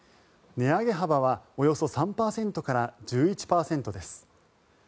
値上げ幅はおよそ３％から１１％です。